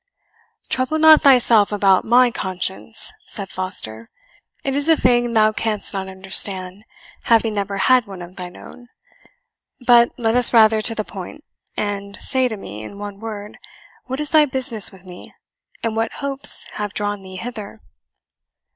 "Trouble not thyself about my conscience," said Foster; "it is a thing thou canst not understand, having never had one of thine own. But let us rather to the point, and say to me, in one word, what is thy business with me, and what hopes have drawn thee hither?"